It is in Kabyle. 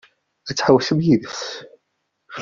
Ad tḥewwsem yid-s?